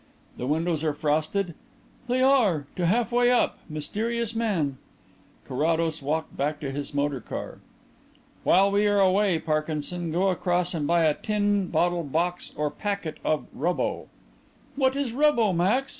"The windows are frosted?" "They are, to half way up, mysterious man." Carrados walked back to his motor car. "While we are away, Parkinson, go across and buy a tin, bottle, box or packet of 'Rubbo.'" "What is 'Rubbo,' Max?"